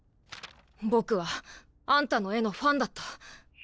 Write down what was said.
僕はあんたの絵のファンだった。